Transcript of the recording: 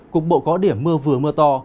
cục bộ có điểm mưa vừa mưa to